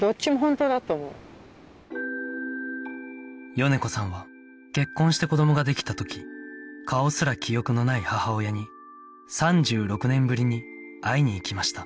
米子さんは結婚して子どもができた時顔すら記憶のない母親に３６年ぶりに会いに行きました